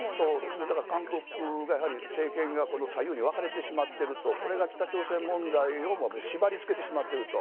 そうですね、だから韓国が政権が左右に分かれてしまっているとこれが北朝鮮問題を縛りつけてしまっていると。